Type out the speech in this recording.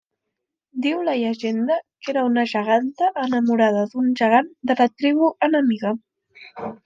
Diu la llegenda que era una geganta enamorada d'un gegant de la tribu enemiga.